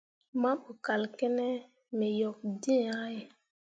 Mahbo kal kǝne me yok dǝ̃ǝ̃ yah ye.